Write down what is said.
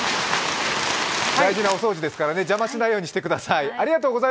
大事なお掃除ですからね邪魔しないようにしてください。